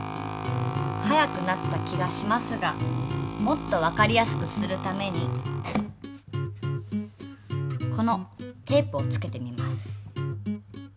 速くなった気がしますがもっとわかりやすくするためにこのテープを付けてみます。